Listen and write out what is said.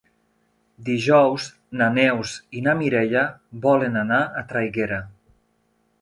Dijous na Neus i na Mireia volen anar a Traiguera.